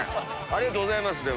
ありがとうございます。